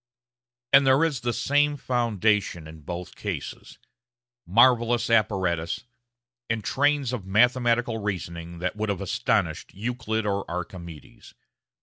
And there is the same foundation in both cases marvellous apparatus, and trains of mathematical reasoning that would have astonished Euclid or Archimedes.